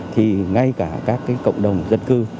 thì ngay cả các cộng đồng dân cư